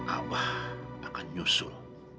abah akan nyusul